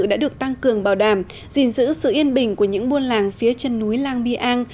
đã được tăng cường bảo đảm gìn giữ sự yên bình của những buôn làng phía chân núi lang biang